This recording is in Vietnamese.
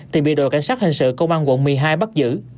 thì bị đội cảnh sát hình sự công an quận một mươi hai bắt giữ